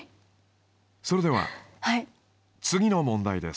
それでは次の問題です。